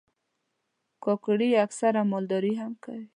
کاکړي اکثره مالداري هم کوي.